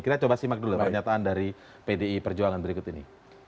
kita coba simak dulu pernyataan dari pdi perjuangan berikut ini